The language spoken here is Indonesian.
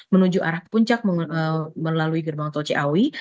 menuju arah puncak melalui gerbang tol ciawi